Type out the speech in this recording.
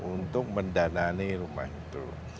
untuk mendanani rumah itu